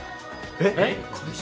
えっ？